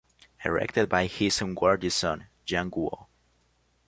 Erected by his unworthy son, Yang Guo.